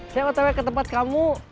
saya ototnya ke tempat kamu